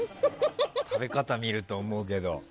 食べ方見ると思うけど。